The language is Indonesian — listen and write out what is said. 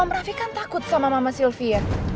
om radix kan takut sama mama sylvia